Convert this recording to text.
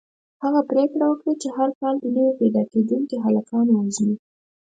هغه پرېکړه وکړه چې هر کال دې نوي پیدا کېدونکي هلکان ووژني.